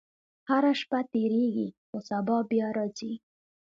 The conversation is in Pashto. • هره شپه تېرېږي، خو سبا بیا راځي.